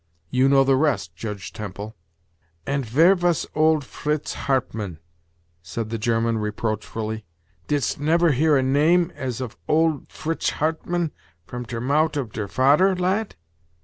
You know the rest, Judge Temple." "Ant vere vas olt Fritz Hartmann?" said the German, reproachfully; "didst never hear a name as of olt Fritz Hartmann from ter mout of ter fader, lat?"